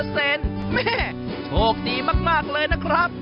แม่โชคดีมากเลยนะครับ